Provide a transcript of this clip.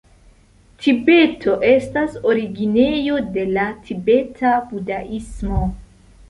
Tibeto estas originejo de la tibeta budaismo.